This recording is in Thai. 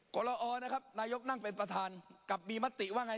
ละออนะครับนายกนั่งเป็นประธานกลับมีมติว่าไง